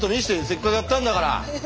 せっかくやったんだから。